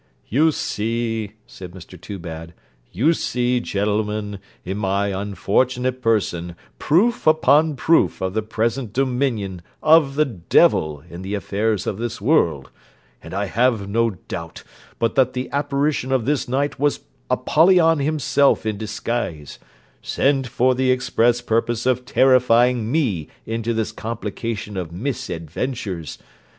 'You see,' said Mr Toobad, 'you see, gentlemen, in my unfortunate person proof upon proof of the present dominion of the devil in the affairs of this world; and I have no doubt but that the apparition of this night was Apollyon himself in disguise, sent for the express purpose of terrifying me into this complication of misadventures.